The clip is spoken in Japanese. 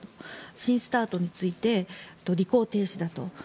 新ＳＴＡＲＴについて履行停止だと。